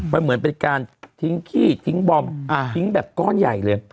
มันเหมือนเป็นการทิ้งขี้ทิ้งบอมทิ้งแบบก้อนใหญ่เลย